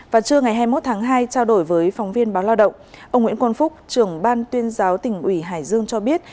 và trưa ngày hai mươi một tháng hai trao đổi với phóng viên báo lao động ông nguyễn quang phúc trưởng ban tuyên giáo tỉnh ủy hải dương cho biết